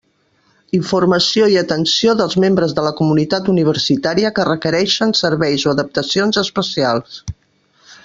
Informació i atenció dels membres de la comunitat universitària que requereixen serveis o adaptacions especials.